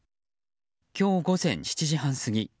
今日午前７時半過ぎ